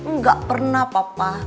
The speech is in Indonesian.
nggak pernah papa